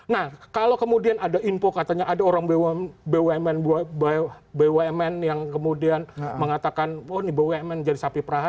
nah kalau kemudian ada info katanya ada orang bumn yang kemudian mengatakan oh ini bumn jadi sapi peraha